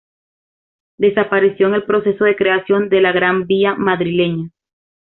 Desapareció en el proceso de creación de la Gran Vía madrileña.